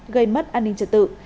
gây mất an ninh trật tự